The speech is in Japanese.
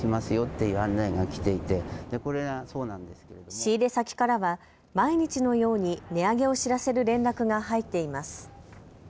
仕入れ先からは毎日のように値上げを知らせる連絡が入っています。